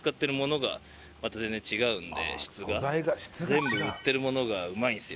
全部売ってるものがうまいんですよ。